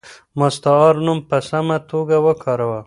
مستعار نوم په سمه توګه وکاروه.